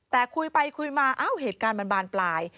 แต่คุยไปคุยมาเอ้าเหตุการณ์มันบานปลาย